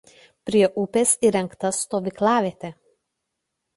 Prie upės įrengta stovyklavietė.